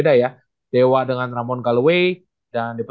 dia di belakang ring